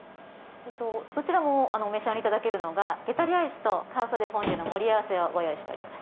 どちらもお召し上がりいただけるのがゲタリアイスとカーサデフォンデュの盛り合わせをご用意してます。